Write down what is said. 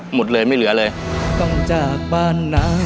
หมดเลยไม่เหลือเลย